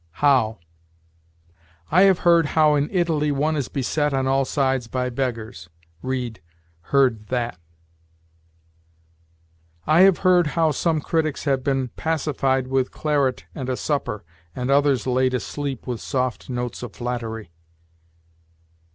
HOW. "I have heard how in Italy one is beset on all sides by beggars": read, "heard that." "I have heard how some critics have been pacified with claret and a supper, and others laid asleep with soft notes of flattery."